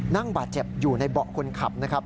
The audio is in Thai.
นั่งบาดเจ็บอยู่ในเบาะคนขับนะครับ